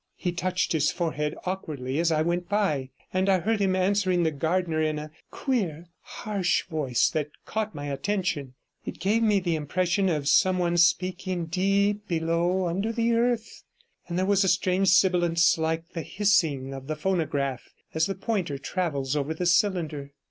He touched his forehead awkwardly as I went by, and I heard him answering the gardener in a queer, harsh voice that caught my attention; it gave me the impression of some one speaking deep below under the earth, and there was a strange sibilance, like the hissing of the phonograph as the pointer travels over the cylinder.